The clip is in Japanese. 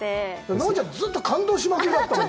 奈緒ちゃん、ずっと感動しまくりだったよね。